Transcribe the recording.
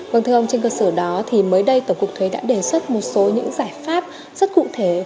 vâng thưa ông trên cơ sở đó thì mới đây tổng cục thuế đã đề xuất một số những giải pháp rất cụ thể